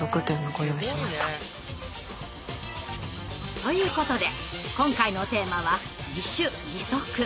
ということで今回のテーマは義手義足。